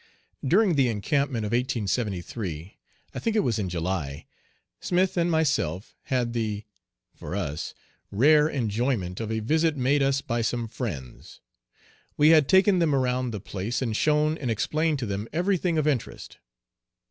During the encampment of 1873 I think it was in July Smith and myself had the for us rare enjoyment of a visit made us by some friends. We had taken them around the place and shown and explained to them every thing of interest.